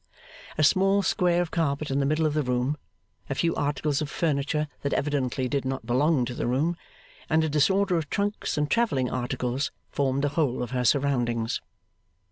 A small square of carpet in the middle of the room, a few articles of furniture that evidently did not belong to the room, and a disorder of trunks and travelling articles, formed the whole of her surroundings.